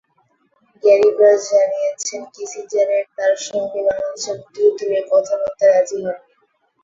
Gary Brass জানিয়েছেন, কিসিঞ্জারের তাঁর সঙ্গে বাংলাদেশের মুক্তিযুদ্ধ নিয়ে কথা বলতে রাজি হননি।